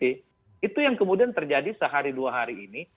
itu yang kemudian terjadi sehari dua hari ini